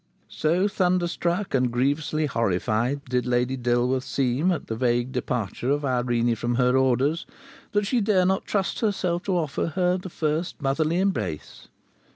So thunderstruck and grievously horrified did Lady Dilworth seem at the vague departure of Irene from her orders, that she dare not trust herself to offer her the first motherly embrace!